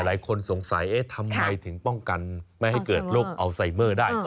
หลายคนสงสัยเอ๊ะทำไมถึงป้องกันไม่ให้เกิดโรคอัลไซเมอร์ได้